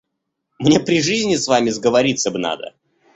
Мне при жизни с вами сговориться б надо.